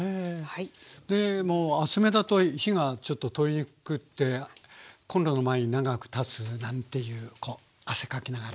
でも厚めだと火がちょっと通りにくくてコンロの前に長く立つなんていうこう汗かきながら。